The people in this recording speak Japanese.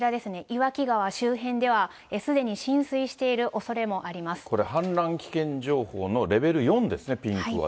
岩木川周辺ではすでに浸水しているおそれもあこれ、氾濫危険情報のレベル４ですね、ピンクは。